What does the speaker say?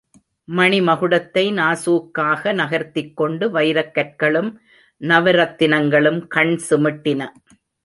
மணிமகுடத்தை நாசூக்காக நகர்த்திக் கொண்டு வைரக்கற்களும் நவரத்தினங்களும் கண் சிமிட்டின.